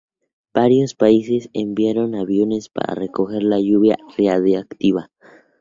Varios países enviaron aviones para recoger la lluvia radiactiva.